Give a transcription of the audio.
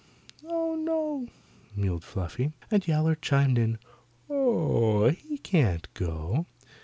"Oh, no!" mewed Fluffy, and Yowler chimed in, "Oh, he can't go.